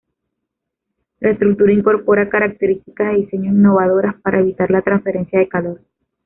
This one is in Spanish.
La estructura incorpora características de diseño innovadoras para evitar la transferencia de calor.